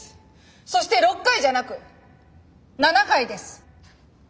そして６回じゃなく７回です。